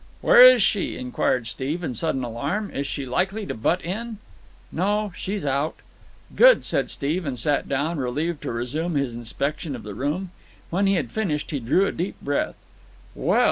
"Where is she?" inquired Steve in sudden alarm. "Is she likely to butt in?" "No. She's out." "Good," said Steve, and sat down, relieved, to resume his inspection of the room. When he had finished he drew a deep breath. "Well!"